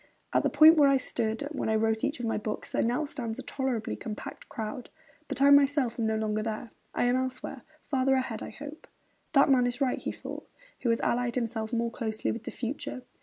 'At the point where I stood when I wrote each of my books, there now stands a tolerably compact crowd; but I myself am no longer there; I am elsewhere; farther ahead, I hope.' 'That man is right,' he thought, 'who has allied himself most closely with the future.'